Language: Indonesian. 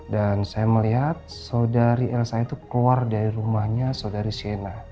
dan saya melihat saudari elsa itu keluar dari rumahnya saudari siena